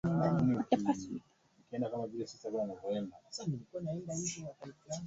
za jadi na kutumiwa kutengeneza mipangilio bora ya rangi Hivi sasa shanga za kioo